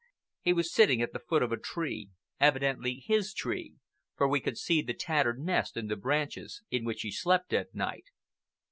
He was sitting at the foot of a tree—evidently his tree, for we could see the tattered nest in the branches, in which he slept at night.